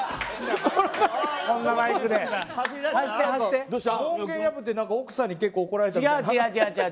門限破って奥さんに怒られた。